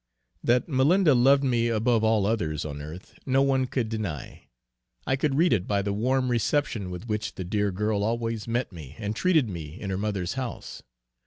That Malinda loved me above all others on earth, no one could deny. I could read it by the warm reception with which the dear girl always met me, and treated me in her mother's house.